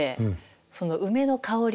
その梅の香り